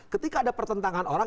ketika ada pertentangan orang